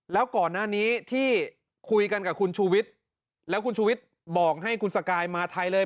แล้วก่อนหน้านี้ที่คุยกันกับคุณชูวิทย์แล้วคุณชูวิทย์บอกให้คุณสกายมาไทยเลย